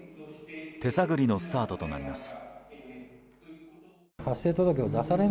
手探りのスタートとなります。